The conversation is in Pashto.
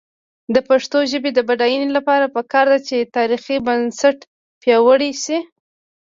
د پښتو ژبې د بډاینې لپاره پکار ده چې تاریخي بنسټ پیاوړی شي.